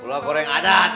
bula goreng adat